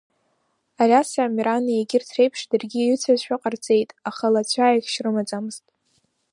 Алиаси Амерани егьырҭ реиԥш даргьы ыцәазшәа ҟарҵеит, аха лацәааихьшь рымаӡамызт.